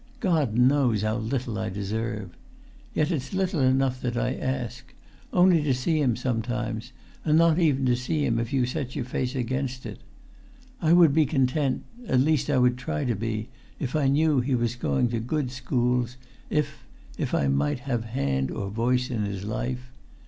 God knows how little I deserve! Yet it's little enough that I ask: only to see him sometimes, and not even to see him if you set your face against it. I would be content—at least I would try to be—if I knew he was going to good schools, if—if I might have hand or voice in his life.